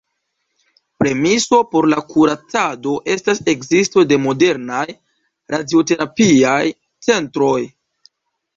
Premiso por la kuracado estas ekzisto de modernaj radioterapiaj centroj.